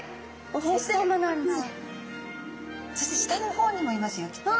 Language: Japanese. そして下の方にもいますよきっと。